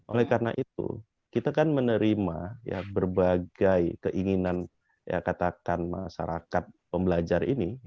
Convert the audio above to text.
oleh karena itu kita kan menerima berbagai keinginan ya katakan masyarakat pembelajar ini